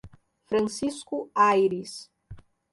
Francisco Ayres